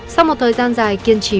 sau một thời gian dài kiên trì